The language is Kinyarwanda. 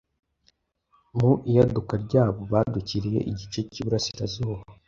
Mu iyaduka ryabo, badukiriye igice cy’i Burasirazuba